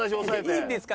「いいんですか？」